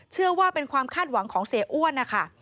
เชื่อว่าเป็นความคาดหวังของเสียอ้วนนะคะ